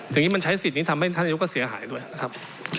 อย่างนี้มันใช้สิทธิ์นี้ทำให้ท่านอายุก็เสียหายด้วยนะครับ